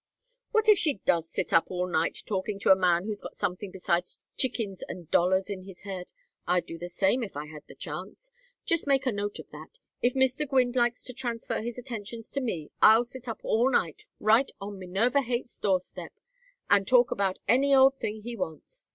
What if she does sit up all night talking to a man who's got something besides chickens and dollars in his head? I'd do the same if I had the chance. Just make a note of that. If Mr. Gwynne likes to transfer his attentions to me I'll sit up all night right on Minerva Haight's doorstep, and talk about any old thing he wants.